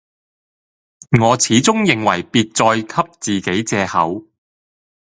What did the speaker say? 我始終認為別再給自己借口，